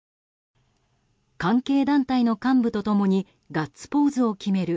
関係団体の幹部と共にガッツポーズを決める